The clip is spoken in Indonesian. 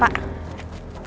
paket makanan buat bu andin